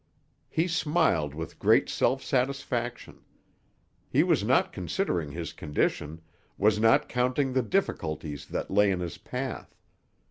He smiled with great self satisfaction. He was not considering his condition, was not counting the difficulties that lay in his path.